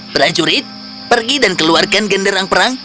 beranjurit pergi dan keluarkan genderang perang